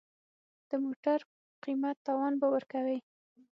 د موټر قیمت تاوان به ورکوې.